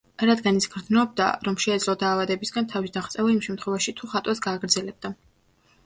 რადგან ის გრძნობდა, რომ შეეძლო დაავადებისგან თავის დაღწევა იმ შემთხვევაში თუ ხატვას გააგრძელებდა.